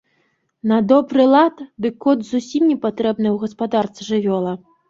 На добры лад, дык кот зусім непатрэбная ў гаспадарцы жывёла.